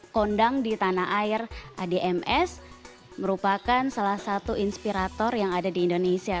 kondang di tanah air adms merupakan salah satu inspirator yang ada di indonesia